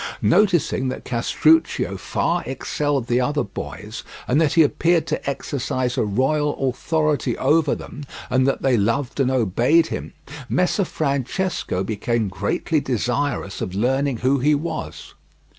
Noticing that Castruccio far excelled the other boys, and that he appeared to exercise a royal authority over them, and that they loved and obeyed him, Messer Francesco became greatly desirous of learning who he was.